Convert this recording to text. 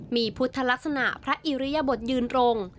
มีพุทธลักษณะพระอิริยบทยืนรง